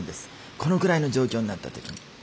このぐらいの状況になった時に。